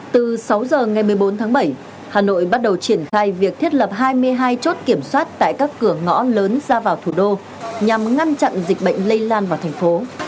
từ sáu giờ ngày một mươi bốn tháng bảy hà nội bắt đầu triển khai việc thiết lập hai mươi hai chốt kiểm soát tại các cửa ngõ lớn ra vào thủ đô nhằm ngăn chặn dịch bệnh lây lan vào thành phố